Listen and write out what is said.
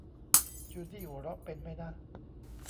จูดี้หัวเราะเป็นมั้ยนะ